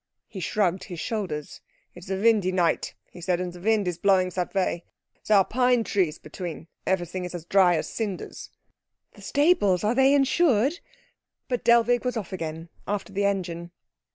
He shrugged his shoulders. "It's a windy night," he said, "and the wind is blowing that way. There are pine trees between. Everything is as dry as cinders." "The stables are they insured?" But Dellwig was off again, after the engine.